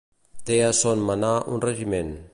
Té a son manar un regiment.